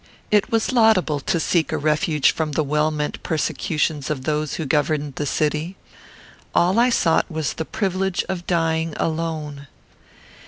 It was laudable to seek a refuge from the well meant persecutions of those who governed the city. All I sought was the privilege of dying alone.